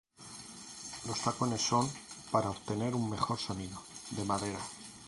Los tacones son, para obtener un mejor sonido, de madera.